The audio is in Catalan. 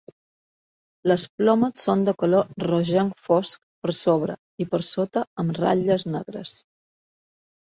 Les plomes són de color rogenc fosc per sobre i per sota amb ratlles negres.